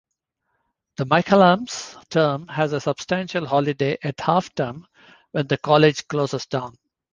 The Michaelmas Term has a substantial holiday at half-term, when the College closes down.